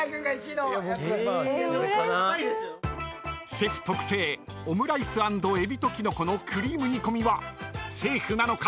［シェフ特製オムライス＆エビとキノコのクリーム煮込みはセーフなのか？